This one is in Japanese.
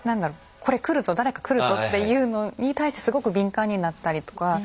これ来るぞ誰か来るぞっていうのに対してすごく敏感になったりとか。